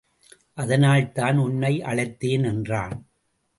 அதனால்தான் உன்னை அழைத்தேன் என்றான்.